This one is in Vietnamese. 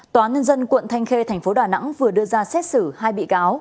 tòa nhân dân quận thanh khê tp đà nẵng vừa đưa ra xét xử hai bị cáo